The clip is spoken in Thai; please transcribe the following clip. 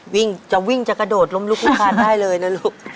วิ่งจะวิ่งจะกระโดดล้มลุกลุกคานได้เลยนะลูก